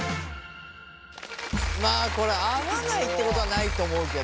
まあこれ合わないってことはないと思うけど。